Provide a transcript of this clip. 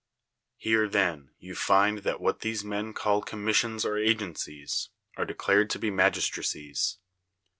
Here, then, you find +hat what these men call commissions or agencies are declared to be mag islracies.